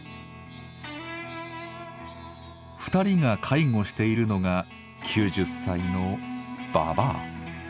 ２人が介護しているのが９０歳の「ばばあ」。